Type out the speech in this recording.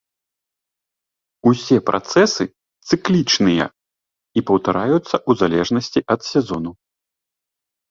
Усе працэсы цыклічныя і паўтараюцца ў залежнасці ад сезону.